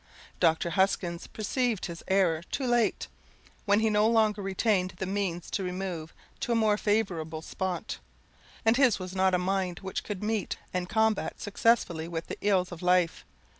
Dr. Huskins perceived his error too late, when he no longer retained the means to remove to a more favourable spot, and his was not a mind which could meet and combat successfully with the ills of life.